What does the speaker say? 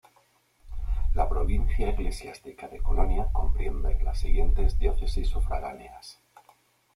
La provincia eclesiástica de Colonia comprende las siguientes diócesis sufragáneas.